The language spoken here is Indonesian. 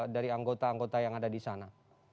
dari anggota anggota yang ada di sana